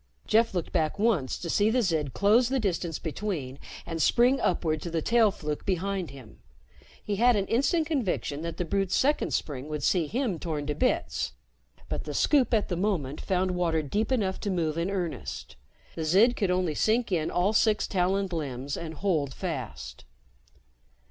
Jeff looked back once to see the Zid close the distance between and spring upward to the tail fluke behind him. He had an instant conviction that the brute's second spring would see him torn to bits, but the Scoop at the moment found water deep enough to move in earnest. The Zid could only sink in all six taloned limbs and hold fast.